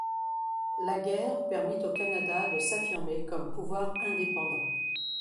La guerre permit au Canada de s'affirmer comme pouvoir indépendant.